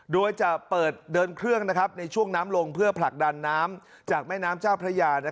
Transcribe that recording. โดยจะเปิดเดินเครื่องในช่วงน้ำลงเพื่อผลักดันน้ำจากแม่น้ำเจ้าพระยา